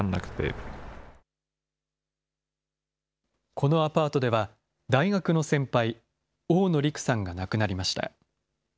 このアパートでは、大学の先輩、大野睦さんが亡くなりました。